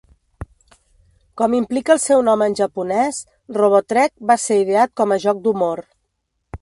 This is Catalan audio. Com implica el seu nom en japonès, Robotrek va ser ideat com a joc d'humor.